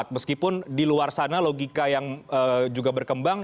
meskipun di luar sana logika yang juga berkembang